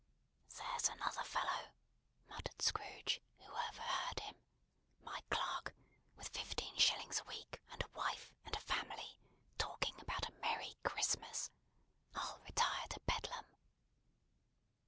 "There's another fellow," muttered Scrooge; who overheard him: "my clerk, with fifteen shillings a week, and a wife and family, talking about a merry Christmas. I'll retire to Bedlam."